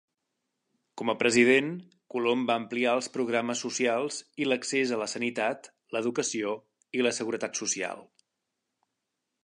Com a president, Colom va ampliar els programes socials i l'accés a la sanitat, l'educació i la seguretat social.